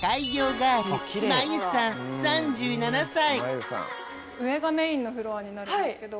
ガール上がメインのフロアになるんですけど。